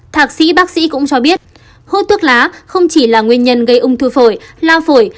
thạc sĩ bác sĩ cũng cho biết hút thuốc lá không chỉ là nguyên nhân gây ung thư phổi lao phổi